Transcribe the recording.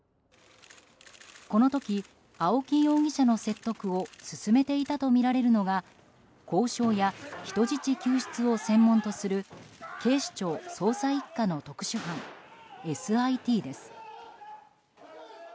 この時、青木容疑者の説得を進めていたとみられるのが交渉や人質救出を専門とする警視庁捜査１課の特殊班ＳＩＴです。